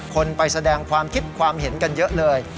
คนไปแสดงความคิดความเห็นกันเยอะเลย